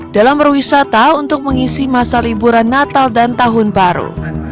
dalam berwisata untuk mengisi masa liburan natal dan tahun baru